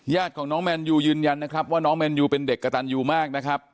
ญาติของน้องแมนยูยืนยันนะครับว่าน้องแมนยูเป็นเด็กกระตันยูมากนะครับ